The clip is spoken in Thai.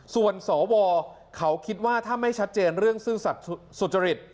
ส่วนสวเขาคิดว่าถ้าไม่ชัดเจนเรื่องซื่อสัตว์สุจริต